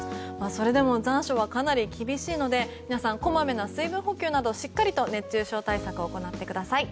それでも残暑はかなり厳しいので皆さん、こまめな水分補給などしっかり熱中症対策してください。